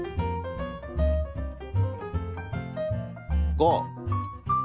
５。